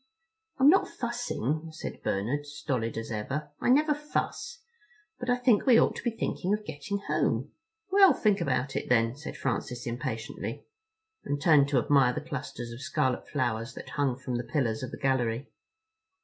"I'm not fussing," said Bernard, stolid as ever. "I never fuss. But I think we ought to be thinking of getting home." "Well, think about it then," said Francis impatiently, and turned to admire the clusters of scarlet flowers that hung from the pillars of the gallery.